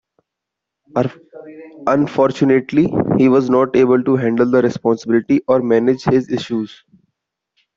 Unfortunately, he was not able to handle the responsibility or manage his issues.